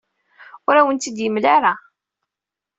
Ur awen-tt-id-yemla ara.